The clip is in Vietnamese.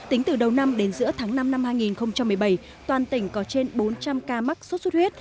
tính từ đầu năm đến giữa tháng năm năm hai nghìn một mươi bảy toàn tỉnh có trên bốn trăm linh ca mắc sốt xuất huyết